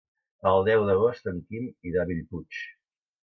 El deu d'agost en Quim irà a Bellpuig.